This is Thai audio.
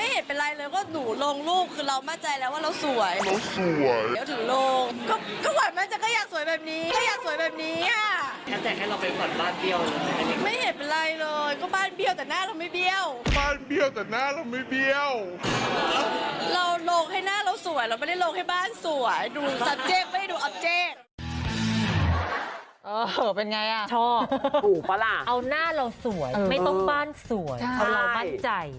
คือเอาเรามั่นใจ